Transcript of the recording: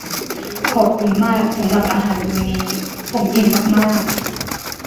ขอบคุณมากสำหรับอาหารมื้อนี้ ผมอิ่มมาก ๆ